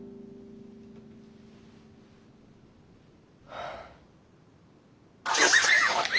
はあ。